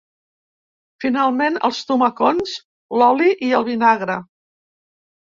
Finalment, els tomacons, l’oli i el vinagre.